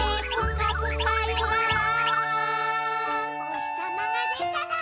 「おひさまがでたら」